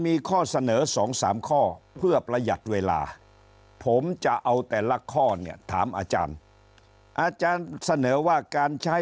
มีข้อเสนอ๒๓ข้อเพื่อประหยัดเวลาผมจะเอาแต่ละข้อเนี่ยถามอาจารย์อาจารย์เสนอว่าการใช้